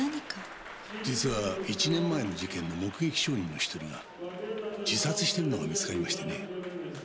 実は１年前の事件の目撃証人の１人が自殺しているのが見つかりましてね。